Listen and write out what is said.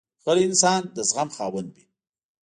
غلی انسان، د زغم خاوند وي.